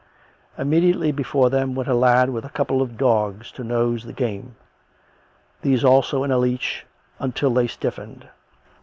Imme diately before them went a lad with a couple of dogs to nose the game — these also in a leash until they stiffened.